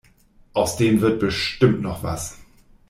Aus dem wird bestimmt noch was.